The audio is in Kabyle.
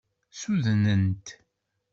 Ssudnent.